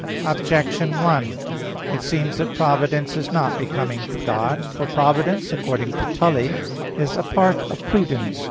Objection 1: It seems that providence is not becoming to God. For providence, according to Tully (De Invent. ii), is a part of prudence.